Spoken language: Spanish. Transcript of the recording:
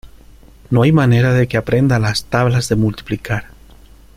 No hay manera de que aprenda las tablas de multiplicar.